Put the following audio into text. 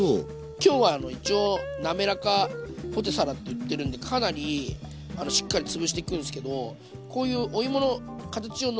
今日は一応なめらかポテサラって言ってるんでかなりしっかりつぶしていくんですけどこういうお芋の形を残して。